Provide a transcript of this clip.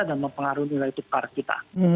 dan mempengaruhi nilai tukar kita